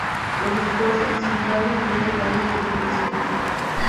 Los esfuerzos, sin embargo, estuvieron fallidos desde un principio.